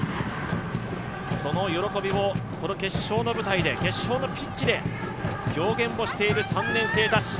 その喜びをこの決勝の舞台で、決勝のピッチで表現をしている３年生たち。